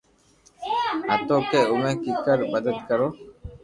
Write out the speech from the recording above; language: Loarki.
ھتو ڪي اووي ڪوڪر مدد ڪرو